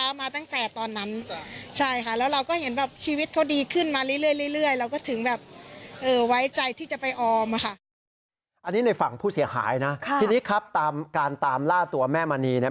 อันนี้ในฝั่งผู้เสียหายนะทีนี้ครับตามการตามล่าตัวแม่มณีเนี่ย